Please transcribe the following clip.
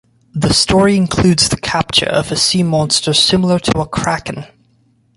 The story includes the capture of a sea monster similar to a kraken.